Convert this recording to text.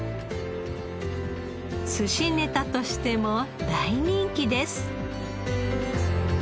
寿司ネタとしても大人気です。